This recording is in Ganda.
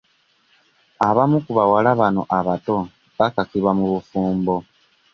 Abamu ku bawala bano abato bakakibwa mu bufumbo.